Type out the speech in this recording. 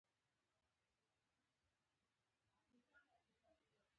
د غاښونو برس او کریم او پاسپورټ هم په کې وو.